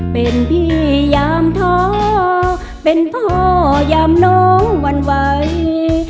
เป็นพี่ยามท้อเป็นพ่อยามน้องวันไหว